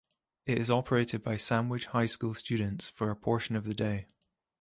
It is operated by Sandwich High School students for a portion of the day.